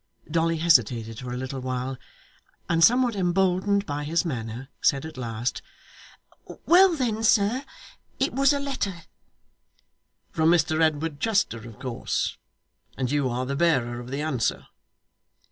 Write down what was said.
Dolly hesitated for a little while, and somewhat emboldened by his manner, said at last, 'Well then, sir. It was a letter.' 'From Mr Edward Chester, of course. And you are the bearer of the answer?